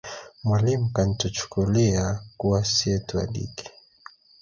Mwalimu kantuchukulia kuwa siye tuwadigi